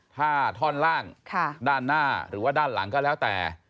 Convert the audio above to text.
ถ้าท่อนล่างด้านหน้าหรือว่าด้านหลังก็แล้วแต่